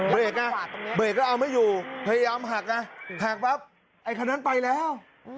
เรกไงเบรกก็เอาไม่อยู่พยายามหักไงหักปั๊บไอ้คันนั้นไปแล้ว